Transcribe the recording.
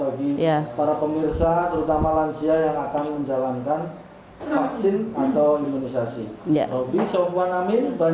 bagi para pemirsa terutama lansia yang akan menjalankan vaksin atau imunisasi